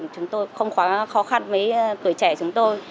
chúng tôi không khó khăn với tuổi trẻ chúng tôi